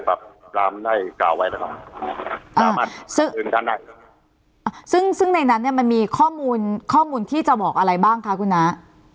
ก็จะกล่าวไว้นะครับสิ่งในนั้นมันมีข้อมูลที่จะบอกอะไรบ้างคะคุณน้า